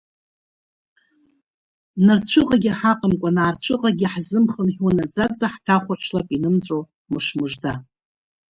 Нарцәыҟагь ҳаҟамкәан, аарцәыҟагь ҳзыхнымҳәуа, наӡаӡа ҳҭахәаҽлап инымҵәо мышмыжда.